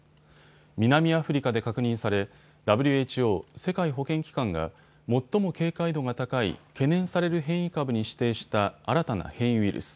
南アフリカで確認され、ＷＨＯ・世界保健機関が最も警戒度が高い懸念される変異株に指定した新たな変異ウイルス。